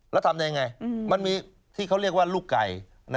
แล้วทำยังไงมันมีที่เขาเรียกว่าลูกไก่